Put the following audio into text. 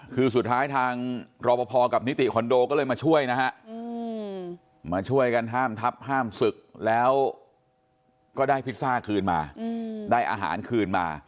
คือสุดท้ายทางรอปภกับนิติคอนโดก็เลยมาช่วยนะฮะมาช่วยกันห้ามทับห้ามศึกแล้วก็ได้พิซซ่าคืนมาได้อาหารคืนมา